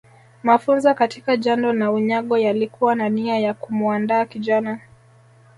Mafunzo katika jando na unyago yalikuwa na nia ya kumuandaa kijana